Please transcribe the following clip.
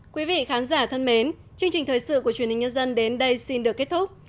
quý vị khán giả thân mến chương trình thời sự của truyền hình nhân dân đến đây xin được kết thúc